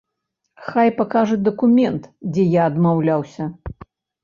Хай пакажуць дакумент, дзе я адмаўлялася.